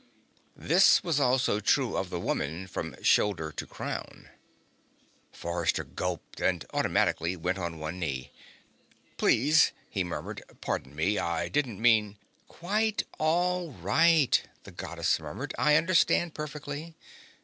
This was also true of the woman from shoulder to crown. Forrester gulped and, automatically, went on one knee. "Please," he murmured. "Pardon me. I didn't mean " "Quite all right," the Goddess murmured. "I understand perfectly."